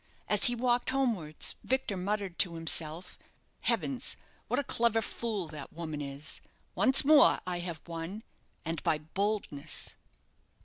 As he walked homewards, Victor muttered to himself "Heavens, what a clever fool that woman is. Once more I have won, and by boldness."